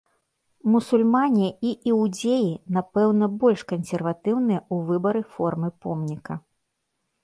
Мусульмане і іўдзеі, напэўна, больш кансерватыўныя ў выбары формы помніка.